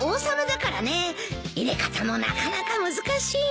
入れ方もなかなか難しいんだ。